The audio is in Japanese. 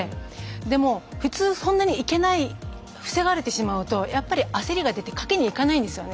でも、普通、そんなに行けない防がれてしまうとやっぱり焦りが出てかけに行かないんですよね。